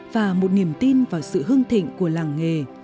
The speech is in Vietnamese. và một niềm tin vào sự hưng thịnh của làng nghề